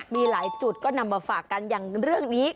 มีหลายจุดก็นำมาฝากกันอย่างเรื่องนี้